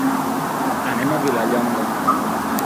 Anem a Vilallonga.